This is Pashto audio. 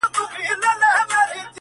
o لو څه زور غواړي؟ پرې که، واچوه٫